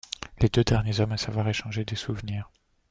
Les deux derniers hommes à savoir échanger des souvenirs.